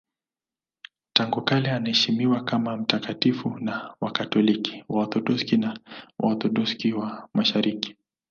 Tangu kale anaheshimiwa kama mtakatifu na Wakatoliki, Waorthodoksi na Waorthodoksi wa Mashariki.